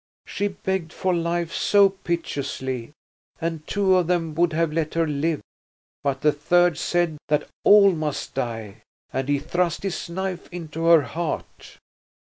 She begged for life so piteously, and two of them would have let her live; but the third said that all must die, and he thrust his knife into her heart."